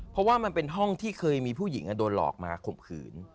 เพราะว่ามันเป็นห้องที่เคยมีผู้หญิงโดนหลอกมาข่มขืน